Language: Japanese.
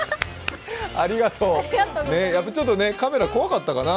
ありがとう、ちょっとカメラ怖かったかな。